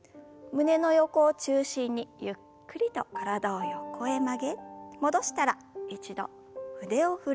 胸の横を中心にゆっくりと体を横へ曲げ戻したら一度腕を振る運動です。